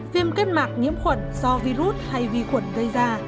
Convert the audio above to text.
viêm kết mạc nhiễm khuẩn do virus hay vi khuẩn gây ra